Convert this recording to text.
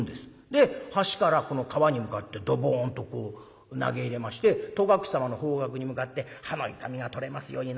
で橋からこの川に向かってドボンとこう投げ入れまして戸隠様の方角に向かって「歯の痛みが取れますように。